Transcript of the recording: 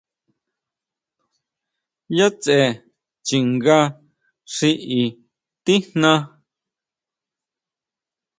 ¿Yʼa tsʼe chinga xi i tijná?